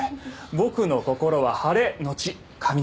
僕の心は晴れのち雷。